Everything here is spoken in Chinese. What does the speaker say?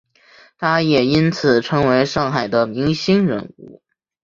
他也因此成为上海的明星人物。